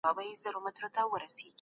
پرون فشار زما اشتها کمه کړه.